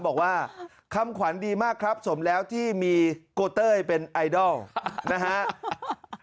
บอกว่าคำขวัญดีมากครับสมแล้วที่มีโกเต้ยเป็นไอดอลนะฮะ